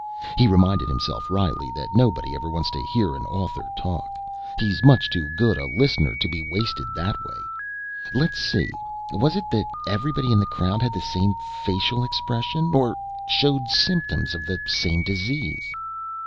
He reminded himself wryly that nobody ever wants to hear an author talk he's much too good a listener to be wasted that way. Let's see, was it that everybody in the crowd had the same facial expression...? Or showed symptoms of the same disease...?